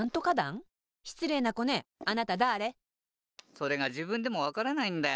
それがじぶんでもわからないんだよ。